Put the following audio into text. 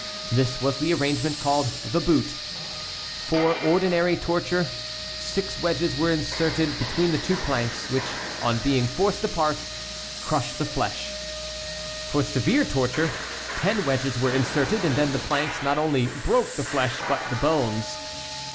This was the arrangement called the "boot." For ordinary torture six wedges were inserted between the two planks, which, on being forced apart, crushed the flesh. For severe torture ten wedges were inserted, and then the planks not only broke the flesh but the bones.